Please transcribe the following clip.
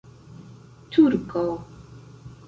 turko